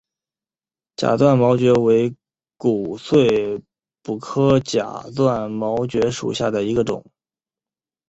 假钻毛蕨为骨碎补科假钻毛蕨属下的一个种。